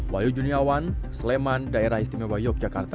wayu juniawan sleman daerah istimewa yogyakarta